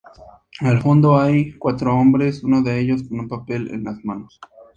Al fondo hay cuatro hombres, uno de ellos con un papel en las manos.